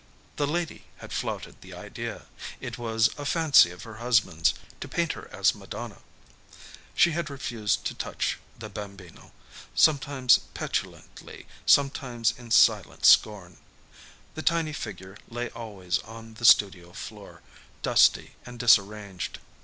The lady had flouted the idea. It was a fancy of her husband's, to paint her as Madonna. She had refused to touch the Bambino sometimes petulantly, sometimes in silent scorn. The tiny figure lay always on the studio floor, dusty and disarranged.